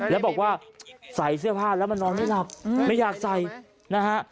แล้วบอกว่าใส่เสื้อผ้าแล้วมันนอนไม่หลับไม่อยากใส่นะฮะ